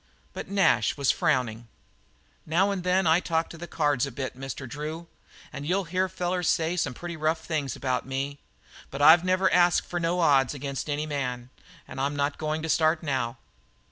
But Nash was frowning. "Now and then I talk to the cards a bit, Mr. Drew, and you'll hear fellers say some pretty rough things about me, but I've never asked for no odds against any man. I'm not going to start now."